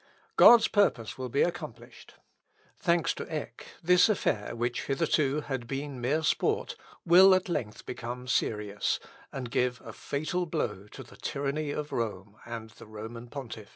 God's purpose will be accomplished. Thanks to Eck, this affair, which hitherto has been mere sport, will at length become serious, and give a fatal blow to the tyranny of Rome and the Roman Pontiff."